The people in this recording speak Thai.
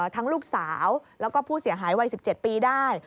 ทั้งลูกสาวแล้วก็ผู้เสียหายวัย๑๗ปีได้